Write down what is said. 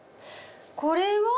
これは？